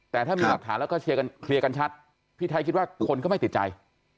แต่ถ้ามีหลักฐานแล้วก็เคลียร์กันชัดพี่ไทยคิดว่าคนก็ไม่ติดใจ